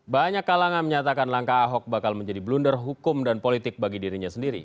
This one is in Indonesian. banyak kalangan menyatakan langkah ahok bakal menjadi blunder hukum dan politik bagi dirinya sendiri